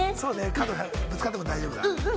角ぶつかっても大丈夫だ。